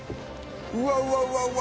「うわうわうわうわ！」